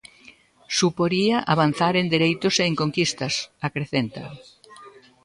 "Suporía avanzar en dereitos e en conquistas", acrecenta.